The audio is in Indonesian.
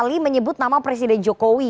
dan seolah menyiratkan bahwa capaian kinerja jokowi